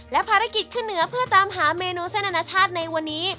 และภารกิจขึ้นเหนือเพื่อตามหาเมนูเส้นอนาชาติในวันนี้